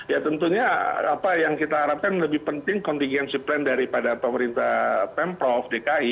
ya tentunya apa yang kita harapkan lebih penting contingency plan daripada pemerintah pemprov dki